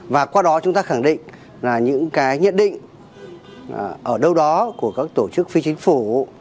và qua đó chúng ta khẳng định là những cái nhận định ở đâu đó của các tổ chức phi chính phủ